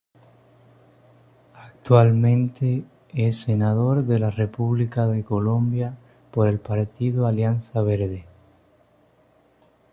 Actualmente, es Senador de la República de Colombia por el Partido Alianza Verde.